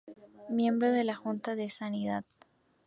Miembro de la Junta de Sanidad.